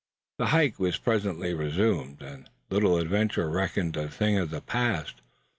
The hike was presently resumed, and the little adventure reckoned a thing of the past.